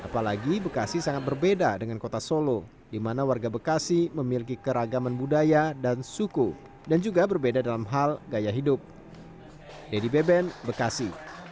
pertama di bekasi